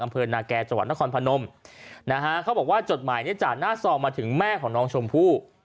อำเภอนาแก่จังหวัดนครพนมนะฮะเขาบอกว่าจดหมายเนี่ยจากหน้าซองมาถึงแม่ของน้องชมพู่